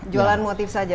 jualan motif saja